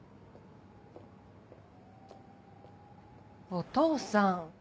お父さん。